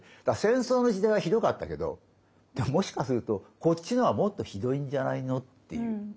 だから戦争の時代はひどかったけどでももしかするとこっちのがもっとひどいんじゃないのっていう。